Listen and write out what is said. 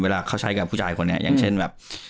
เวลาเขาใช้กับผู้ชายคนนี้อย่างเช่นแบบ